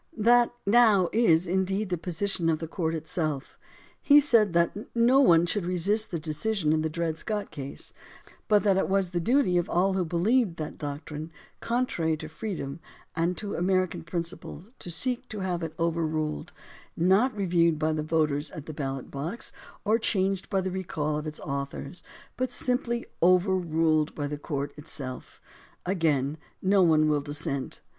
That now is, indeed, the position of the court itself. He said that no one should resist the decision in the Dred Scott case, but that it was the duty of all who believed that doctrine contrary to freedom and to American principles to seek to have it overruled — not reviewed by the voters at the ballot box, or changed by the recall of its authors, but simply overruled by the court itself. Again, no one will dis sent.